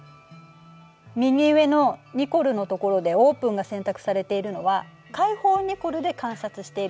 右上の「Ｎｉｃｏｌ」のところで「ＯＰＥＮ」が選択されているのは開放ニコルで観察しているってことね。